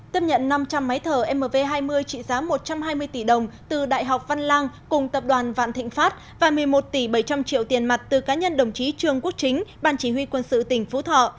tiếp nhận năm trăm linh máy thở mv hai mươi trị giá một trăm hai mươi tỷ đồng từ đại học văn lang cùng tập đoàn vạn thịnh pháp và một mươi một tỷ bảy trăm linh triệu tiền mặt từ cá nhân đồng chí trương quốc chính ban chỉ huy quân sự tỉnh phú thọ